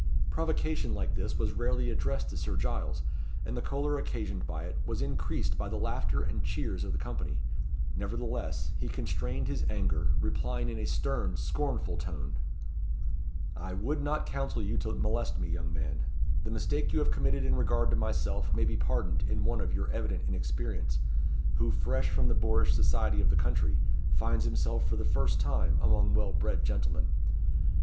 Provocation like this was rarely addressed to Sir Giles; and the choler occasioned by it was increased by the laughter and cheers of the company. Nevertheless he constrained his anger, replying in a stern, scornful tone "I would not counsel you to molest me, young man. The mistake you have committed in regard to myself may be pardoned in one of your evident inexperience; who, fresh from the boorish society of the country, finds himself, for the first time, amongst well bred gentlemen.